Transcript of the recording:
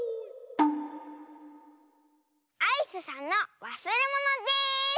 「アイスさんのわすれもの」です！